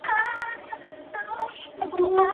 传伯爵至赵之龙。